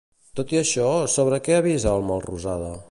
Tot i això, sobre què avisa el Melrosada?